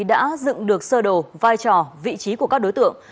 đã dựng được sơ đồ vai trò vị trí của các đối tượng